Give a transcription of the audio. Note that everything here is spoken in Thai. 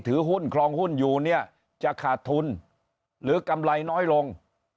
หุ้นคลองหุ้นอยู่เนี่ยจะขาดทุนหรือกำไรน้อยลง